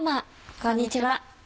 こんにちは。